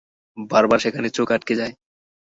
বারবার সেখানে চোখ আটকে যায়।